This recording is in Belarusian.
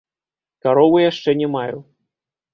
Каровы яшчэ не маю.